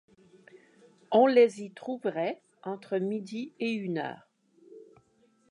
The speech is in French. On les y trouverait entre midi et une heure.